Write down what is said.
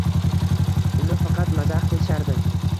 Uni faqat mazax qilishardi.